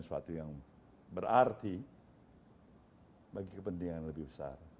sesuatu yang berarti bagi kepentingan lebih besar